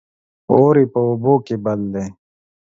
اور يې په اوبو کې بل دى